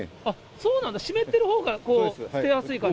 そうなんだ、湿ってるほうが捨てやすい感じ？